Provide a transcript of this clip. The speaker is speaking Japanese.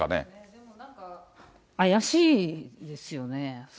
でもなんか、怪しいですよね。